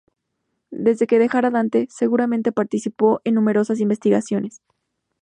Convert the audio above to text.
Desde que dejara a Dante, seguramente participó en numerosas investigaciones.